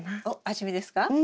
おっ味見ですか？